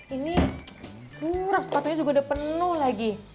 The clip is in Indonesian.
ini murah sepatunya juga udah penuh lagi